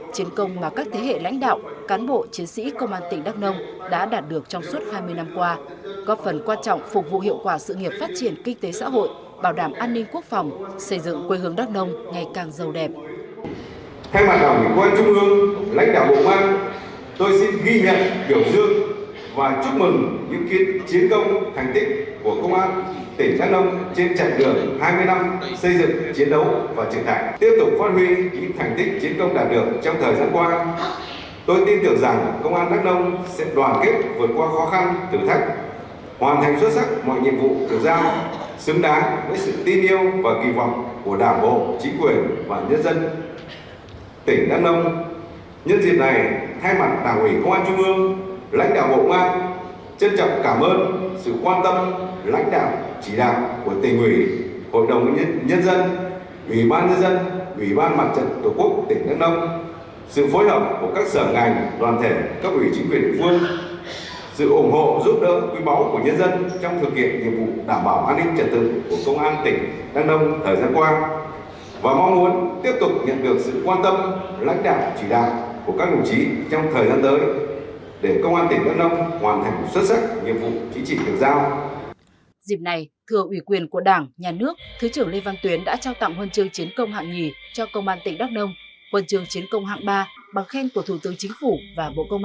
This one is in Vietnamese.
chiến công mà các thế hệ lãnh đạo cán bộ chiến sĩ công an tỉnh đắk nông đã đạt được trong suốt hai mươi năm qua